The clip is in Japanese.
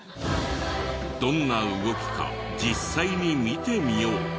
どんな動きか実際に見てみよう。